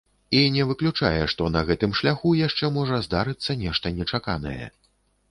І не выключае, што на гэтым шляху яшчэ можа здарыцца нешта нечаканае.